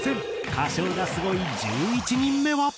歌唱がスゴい１１人目は。